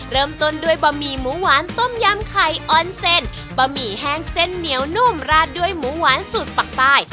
เริ่มต้นด้วยบะหมี่หมูหวานต้มยำไข่ออนเซนบะหมี่แห้งเส้นเหนียวนุ่มราดด้วยหมูหวานสูตรปักใต้